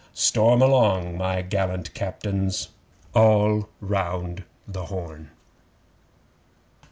Storm along, my gallant Captains! (All round the Horn!)